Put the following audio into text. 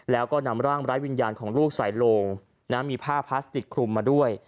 แล้วก็นำร่างไร้วิญญาณของลูกใส่โลงมีผ้าพลาสติกคลุมมาด้วย